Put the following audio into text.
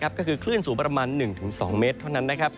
ก็คือคลื่นสูงประมาณ๑๒เมตรเท่านั้น